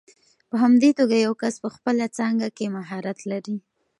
په همدې توګه یو کس په خپله څانګه کې مهارت لري.